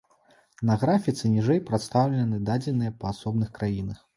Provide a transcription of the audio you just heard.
На графіцы ніжэй прадстаўлены дадзеныя па асобных краінах.